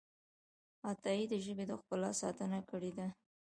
عطايي د ژبې د ښکلا ساتنه کړې ده.